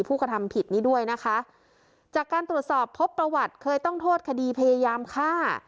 กระทำผิดนี้ด้วยนะคะจากการตรวจสอบพบประวัติเคยต้องโทษคดีพยายามฆ่า